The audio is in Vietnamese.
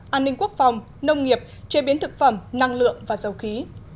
an ninh quốc phòng nông nghiệp chế biến thực phẩm năng lượng và dầu khí